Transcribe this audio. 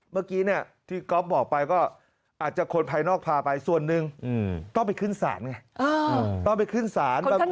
เมื่อกี้เนี่ยที่ก๊อฟบอกไปก็อาจจะคนภายนอกพาไปส่วนหนึ่งต้องไปขึ้นศาลไง